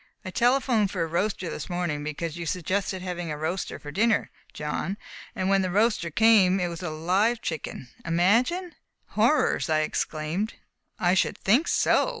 I telephoned for a roaster this morning, because you suggested having a roaster for dinner, John, and when the roaster came it was a live chicken! Imagine!" "Horrors!" I exclaimed. "I should think so!"